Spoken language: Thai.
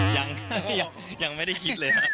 ยังไม่ได้คิดเลยครับ